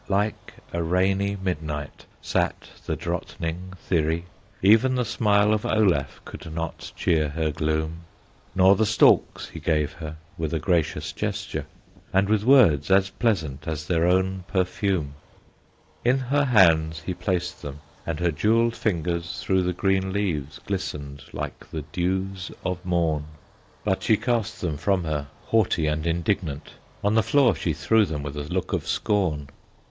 Like a rainy midnight Sat the Drottning Thyri, Even the smile of Olaf Could not cheer her gloom; Nor the stalks he gave her With a gracious gesture, And with words as pleasant As their own perfume. In her hands he placed them, And her jewelled fingers Through the green leaves glistened Like the dews of morn; But she cast them from her, Haughty and indignant, On the floor she threw them With a look of scorn.